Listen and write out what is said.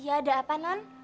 iya ada apa non